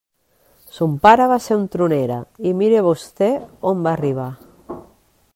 Son pare va ser un tronera, i mire vostè on va arribar.